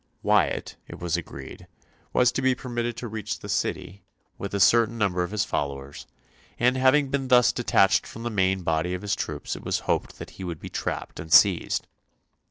Wyatt, it was agreed, was to be permitted to reach the City, with a certain number of his followers, and having been thus detached from the main body of his troops it was hoped that he would be trapped and seized.